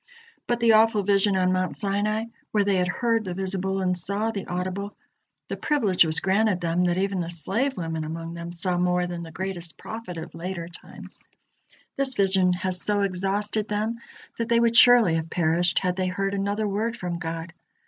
But the awful vision on Mount Sinai, where they heard the visible and saw the audible the privilege was granted them that even the slave women among them saw more than the greatest prophet of later times this vision has so exhausted them that they would surely have perished, had they heard another word from God.